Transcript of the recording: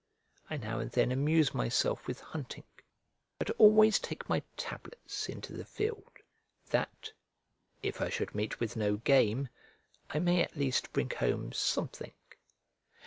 I now and then amuse myself with hunting, but always take my tablets into the field, that, if I should meet with no game, I may at least bring home something.